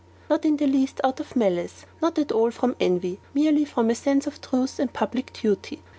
Not in the least out of malice; not at all from envy; merely from a sense of truth and public duty.